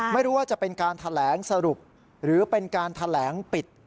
ไม่รู้ว่าจะเป็นการแถลงสรุปหรือเป็นการแถลงปิด